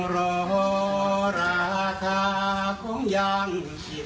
ร้ายร้ายร้ายก็ยังไม่พอ